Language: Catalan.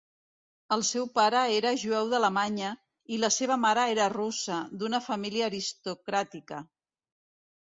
El seu pare era jueu d'Alemanya, i la seva mare era russa, d'una família aristocràtica.